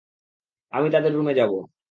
আমি তাদের রুমে যাবো।